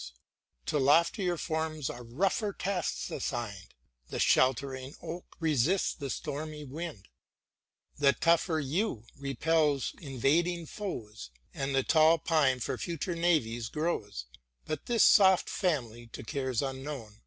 i. MARY WOLLSTONECRAFT 95 To loftier jams are rougher tasks assigned ; The sheltering oak resists the stormy wind, The tougher yew re pels invading foes. And the tall fine for future navies grows ; But this soft family, to cares unknown.